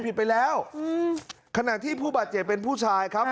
ผิดไปแล้วอืมขณะที่ผู้บาดเจ็บเป็นผู้ชายครับ